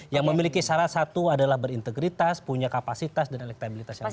yang memiliki salah satu adalah berintegritas punya kapasitas dan elektabilitas yang baik